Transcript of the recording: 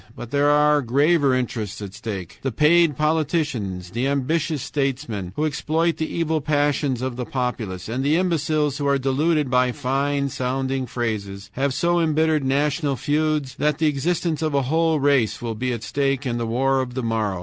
But there are graver interests at stake. "The paid politicians, the ambitious statesmen, who exploit the evil passions of the populace, and the imbeciles who are deluded by fine sounding phrases, have so embittered national feuds that the existence of a whole race will be at stake in the war of the morrow.